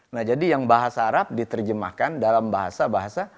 nah jadi yang bahasa arab diterjemahkan dalam bahasa bahasa